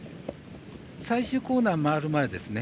最終コーナー回る前ですね